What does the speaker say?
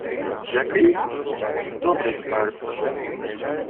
— Який? Добрий смерд.